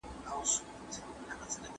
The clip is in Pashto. چېري خلګ پاکو اوبو ته لاسرسی لري؟